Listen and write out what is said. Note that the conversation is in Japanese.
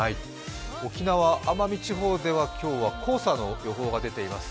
沖縄・奄美地方では今日は黄砂の予報が出ています。